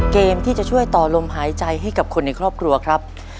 เกมที่จะช่วยต่อลมหายใจให้กับคนในครอบครัวครับ